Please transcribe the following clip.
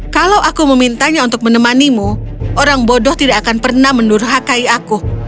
kalau aku memintanya untuk menemanimu orang bodoh tidak akan pernah mendurhakai aku